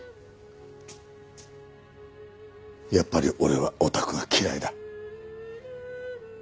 やっぱり俺はオタクが嫌いだ。